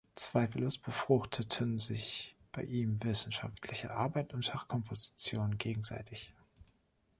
Zweifellos befruchteten sich bei ihm wissenschaftliche Arbeit und Schachkomposition gegenseitig.